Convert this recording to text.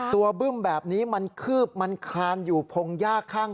บึ้มแบบนี้มันคืบมันคลานอยู่พงยากข้าง